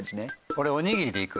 俺おにぎりでいく。